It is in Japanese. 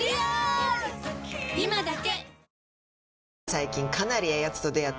今だけ！